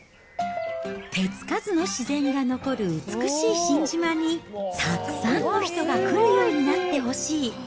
手付かずの自然が残る美しい新島に、たくさんの人が来るようになってほしい。